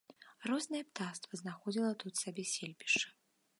Рознае птаства знаходзіла тут сабе сельбішча.